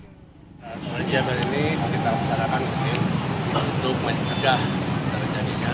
pada hari ini kita sarankan untuk mencerdah terjadinya